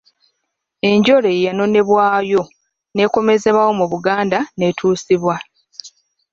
Enjole ye yanonebwayo n'ekomezebwawo mu Buganda n'etuusibwa.